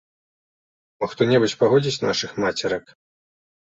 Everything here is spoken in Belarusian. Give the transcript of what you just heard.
Мо хто-небудзь пагодзіць нашых мацерак.